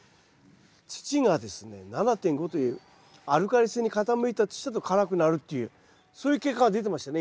土がですね７．５というアルカリ性に傾いた土だと辛くなるっていうそういう結果が出てましたね